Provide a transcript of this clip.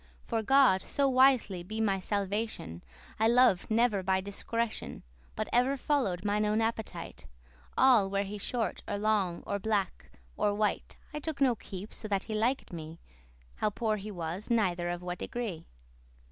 For God so wisly* be my salvation, *certainly I loved never by discretion, But ever follow'd mine own appetite, All* were he short, or long, or black, or white, *whether I took no keep,* so that he liked me, *heed How poor he was, neither of what degree.